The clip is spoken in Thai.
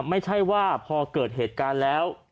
ไม่ใช่ว่าพอเกิดเหตุการณ์แล้ว